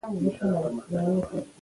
چې خدايه مکې صحت دې خراب نه شي.